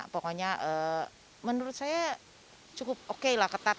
pokoknya menurut saya cukup oke lah ketat